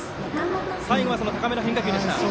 最後は、高めの変化球でした。